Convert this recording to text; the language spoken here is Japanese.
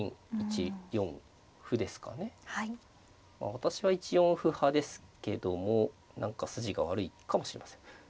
私は１四歩派ですけども何か筋が悪いかもしれません。